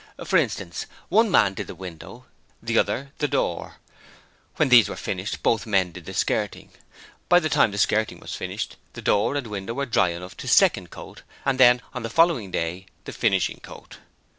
For instance, one man did the window, the other the door: when these were finished both men did the skirting; by the time the skirting was finished the door and window were dry enough to second coat; and then, on the following day the finishing coat!